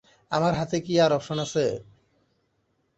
আমার হাতে কি আর অপশন আছে?